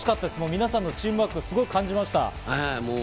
皆さんのチームワークを感じました。